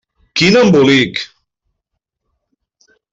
Quin embolic!